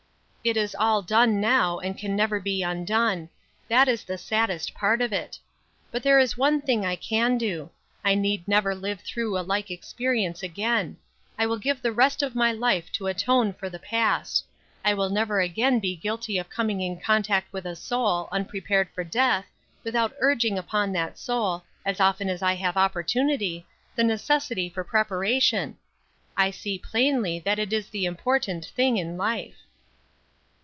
"It is all done now, and can never be undone; that is the saddest part of it. But there is one thing I can do; I need never live through a like experience again; I will give the rest of my life to atone for the past; I will never again be guilty of coming in contact with a soul, unprepared for death, without urging upon that soul, as often as I have opportunity, the necessity for preparation; I see plainly that it is the important thing in life."